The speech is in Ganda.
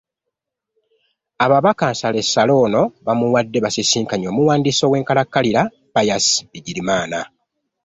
Ababaka nsalessale ono bamuwadde basisinkanye omuwandiisi ow'enkalakkalirira, Pius Bigirimana